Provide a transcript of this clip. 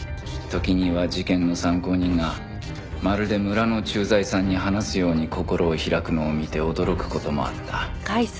時には事件の参考人がまるで村の駐在さんに話すように心を開くのを見て驚く事もあった